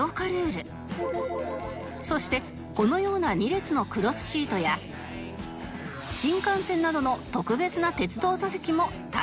そしてこのような２列のクロスシートや新幹線などの特別な鉄道座席も対象外